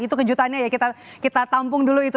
itu kejutannya ya kita tampung dulu itu